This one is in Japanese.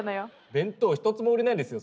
弁当ひとつも売れないですよ。